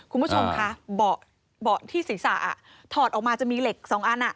คุณผู้ชมคะเบาะที่ศีรษะถอดออกมาจะมีเหล็ก๒อัน